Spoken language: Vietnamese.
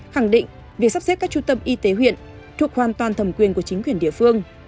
khẳng định việc sắp xếp các trung tâm y tế huyện thuộc hoàn toàn thẩm quyền của chính quyền địa phương